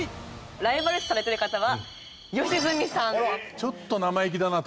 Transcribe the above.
ライバル視されてる方は良純さん。